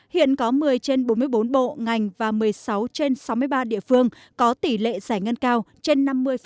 hiện có một mươi trên bốn mươi bốn bộ ngành và một mươi sáu trên sáu mươi ba địa phương có tỷ lệ giải ngân cao trên năm mươi